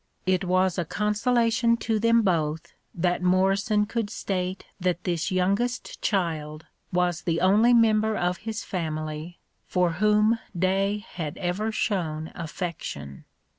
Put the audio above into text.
It was a consolation to them both that Morrison could state that this youngest child was the only member of his family for whom Day had ever shown affection.